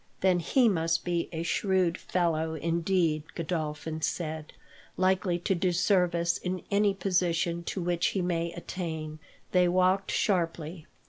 "Then he must be a shrewd fellow, indeed," Godolphin said, "likely to do service in any position to which he may attain." They walked sharply.